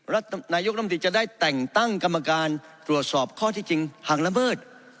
รัฐมนตรีจะได้แต่งตั้งกรรมการตรวจสอบข้อที่จริงห่างละเมิด